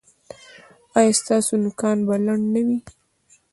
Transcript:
ایا ستاسو نوکان به لنډ نه وي؟